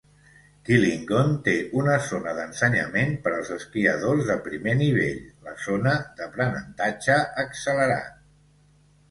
Killingon té una zona d'ensenyament per als esquiadors de primer nivell, la "Zona d'aprenentatge accelerat".